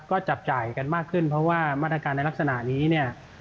ก็จับจ่ายกันมากขึ้นเพราะว่ามาตรการในลักษณะนี้เนี่ย